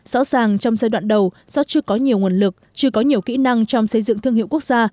rõ ràng trong giai đoạn đầu do chưa có nhiều nguồn lực chưa có nhiều kỹ năng trong xây dựng thương hiệu quốc gia